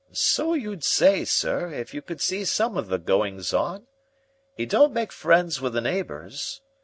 "So you'd say, sir, if you could see some of the goings on. 'E don't make friends with the neighbors.